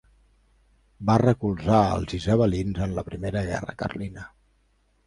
Va recolzar als isabelins en la Primera Guerra Carlina.